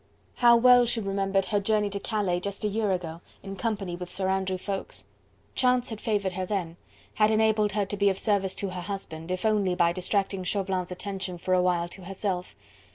How well she remembered her journey to Calais just a year ago, in company with Sir Andrew Ffoulkes! Chance had favoured her then, had enabled her to be of service to her husband if only by distracting Chauvelin's attention for awhile to herself.